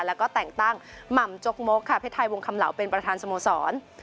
แล้วก็แต่งตั้งหม่ำจกมกค่ะเพชรไทยวงคำเหล่าเป็นประธานสโมสร